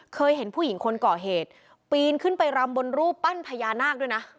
เคยเห็นผู้หญิงคนก่อเหตุปีนขึ้นไปรำบนรูปปั้นพญานาคด้วยนะ